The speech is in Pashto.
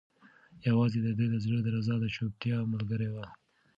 یوازې د ده د زړه درزا د چوپتیا ملګرې وه.